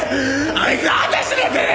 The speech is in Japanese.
あいつは私の手で！